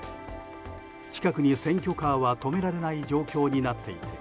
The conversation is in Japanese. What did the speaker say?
近くに選挙カーは止められない状況になっていて